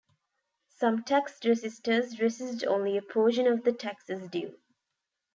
Some tax resisters resist only a portion of the taxes due.